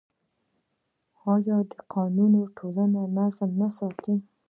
آیا دا قانون د ټولنې نظم نه ساتي؟